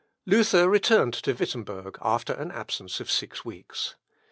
Luther returned to Wittemberg after an absence of six weeks.